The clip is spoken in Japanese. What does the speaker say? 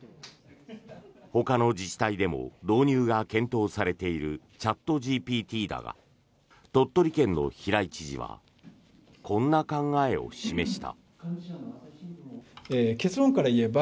ほかの自治体でも導入が検討されているチャットＧＰＴだが鳥取県の平井知事はこんな考えを示した。